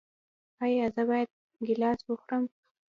ایا زه باید ګیلاس وخورم؟